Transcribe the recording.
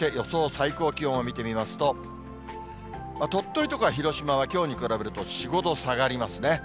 最高気温を見てみますと、鳥取とか広島はきょうに比べると、４、５度下がりますね。